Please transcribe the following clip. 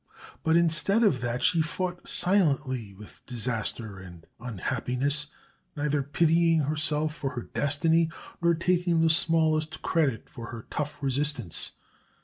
But instead of that she fought silently with disaster and unhappiness, neither pitying herself for her destiny, nor taking the smallest credit for her tough resistance.